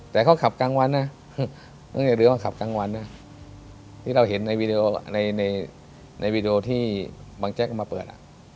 แต่เขาขับกลางวันเรือขับกลางวันที่เราเห็นในวิดีโอที่บางแจ๊คมาเปิด